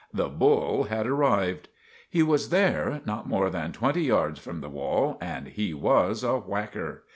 The bull had arrived! He was there, not more than twenty yards from the wall, and he was a whacker.